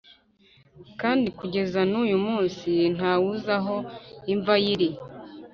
kandi kugeza n’uyu munsi nta wuzi aho imva ye iri